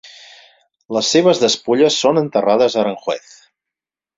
Les seves despulles són enterrades a Aranjuez.